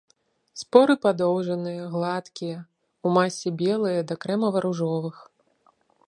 Споры падоўжаныя, гладкія, у масе белыя да крэмава-ружовых.